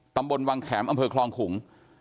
ตำบลวังแขมอำเภอคลองขุง